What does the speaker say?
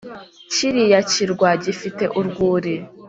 kiriya kirwa gifite urwuri